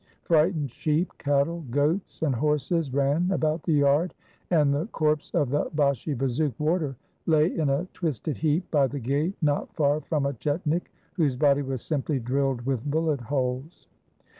Frightened sheep, cattle, goats, and horses ran about the yard, and the corpse of the Bashi bazouk warder lay in a twisted heap by the gate, not far from a chetnik, whose body was simply drilled with bullet holes.